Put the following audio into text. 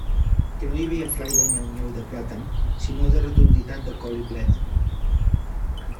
Que no hi havia flaire nyeu-nyeu de plàtan, sinó de rotunditat de col i bleda.